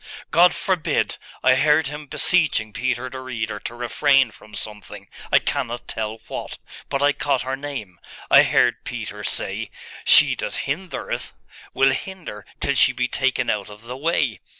'God forbid! I heard him beseeching Peter the Reader to refrain from something, I cannot tell what; but I caught her name.... I heard Peter say, "She that hindereth will hinder till she be taken out of the way."